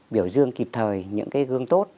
biểu dương kịp thời những cái gương tốt